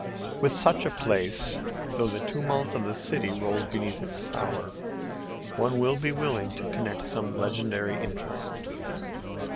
With such a place, though the tumult of the city rolls beneath its tower, one would be willing to connect some legendary interest.